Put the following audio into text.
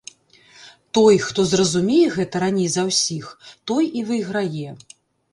Той, хто зразумее гэта раней за ўсіх, той і выйграе.